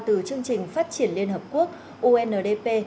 từ chương trình phát triển liên hợp quốc undp